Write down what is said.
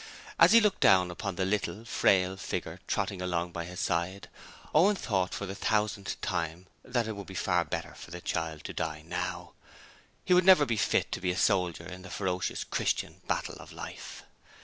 As he looked down upon the little, frail figure trotting along by his side, Owen thought for the thousandth time that it would be far better for the child to die now: he would never be fit to be a soldier in the ferocious Christian Battle of Life.